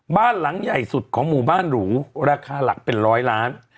บ้านหลังใหญ่สุดของหมู่บ้านหรูราคาหลักเป็นร้อยล้าน